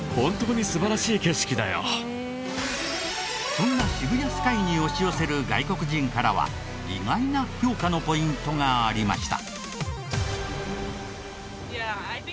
そんな渋谷スカイに押し寄せる外国人からは意外な評価のポイントがありました。